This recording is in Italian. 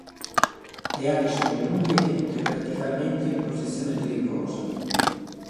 Le ali sono lunghe e tenute verticalmente in posizione di riposo.